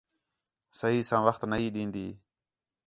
صحیح ساں وخت نہ ہی ݙین٘دی